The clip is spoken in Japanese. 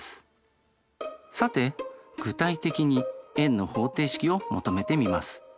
さて具体的に円の方程式を求めてみます。